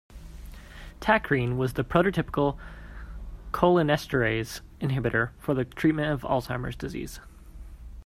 Tacrine was the prototypical cholinesterase inhibitor for the treatment of Alzheimer's disease.